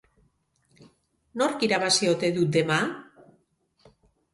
Nork irabazi ote du dema?